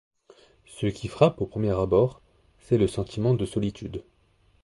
Ce qui frappe au premier abord, c'est le sentiment de solitude.